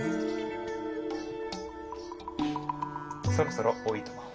そろそろおいとまを。